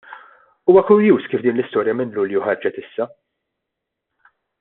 Huwa kurjuż kif din l-istorja minn Lulju ħarġet issa!